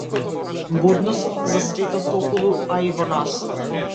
Будност за светот околу, а и во нас.